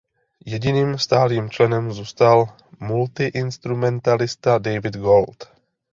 Jediným stálým členem zůstal multiinstrumentalista David Gold.